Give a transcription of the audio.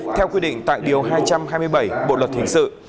theo quy định tại điều hai trăm hai mươi bảy bộ luật hình sự